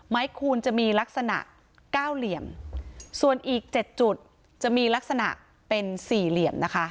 คูณจะมีลักษณะเก้าเหลี่ยมส่วนอีกเจ็ดจุดจะมีลักษณะเป็นสี่เหลี่ยมนะคะ